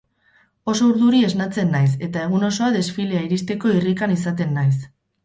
Oso urduri esnatzen naiz eta egun osoa desfilea iristeko irrikan izaten naiz.